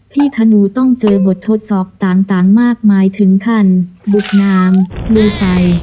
ธนูต้องเจอบททดสอบต่างมากมายถึงขั้นบุกน้ำลือใส่